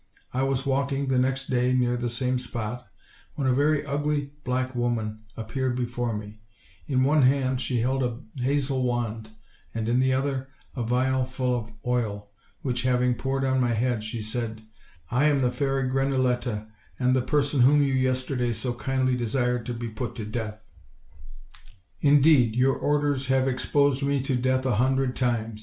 I was walking the next day near the same spot, when a rery ugly black woman appeared before me: in one hand she held a hazel wand, and in the other a vial full of oil, which having poured on my head, she said: 'I am the Fairy Grenouilletta and the person whom you yester day so kindly desired to be put to death; indeed, your orders have exposed me to death a hundred times.